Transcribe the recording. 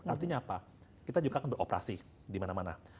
artinya apa kita juga akan beroperasi dimana mana